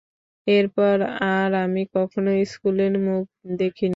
এরপর আর আমি কখনো স্কুলের মুখ দেখিনি।